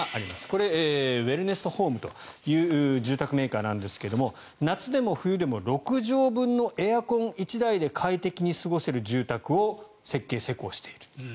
これ、ウェルネストホームという住宅メーカーなんですが夏でも冬でも６畳分のエアコン１台で快適に過ごせる住宅を設計・施工している。